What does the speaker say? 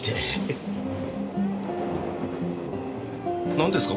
なんですか？